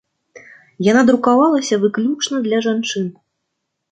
Яна друкавалася выключна для жанчын.